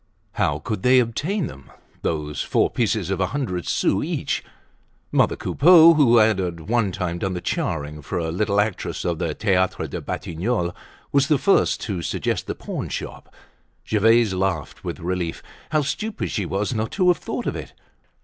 How could they obtain them, those four pieces of a hundred sous each? Mother Coupeau who had at one time done the charring for a little actress of the Theatre des Batignolles, was the first to suggest the pawn shop. Gervaise laughed with relief. How stupid she was not to have thought of it!